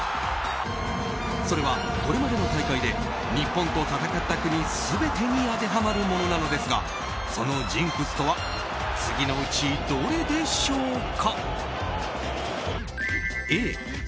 それは、これまでの大会で日本と戦った国全てに当てはまるものなのですがそのジンクスとは次のうちどれでしょうか。